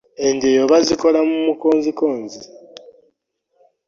Engyeyo bazikola mu mukonzikonzi .